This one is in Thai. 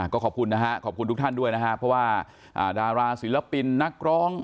ก็ขอบคุณนะฮะขอบคุณทุกท่านด้วยนะครับเพราะว่าดาราศิลปินนักร้อง